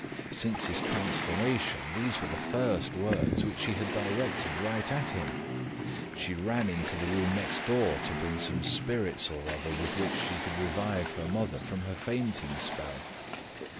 Since his transformation these were the first words which she had directed right at him. She ran into the room next door to bring some spirits or other with which she could revive her mother from her fainting spell.